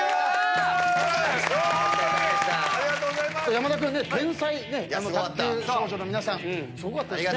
山田君天才卓球少女の皆さんすごかったですね。